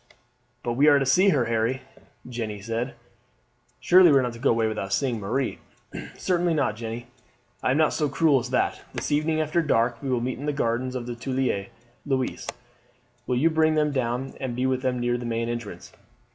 "But we are to see her, Harry?" Jeanne said. "Surely we are not to go away without seeing Marie!" "Certainly not, Jeanne; I am not so cruel as that. This evening, after dark, we will meet in the gardens of the Tuileries. Louise, will you bring them down and be with them near the main entrance?